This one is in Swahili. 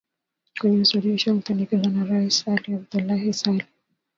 kwenye usuluhishi uliopendekezwa na rais ali adbulahi sallee